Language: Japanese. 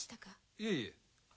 いえいえ。